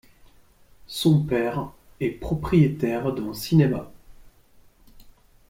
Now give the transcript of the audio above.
Son père est propriétaire d'un cinéma.